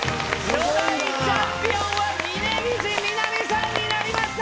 ・再びチャンピオンは峯岸みなみさんになりました！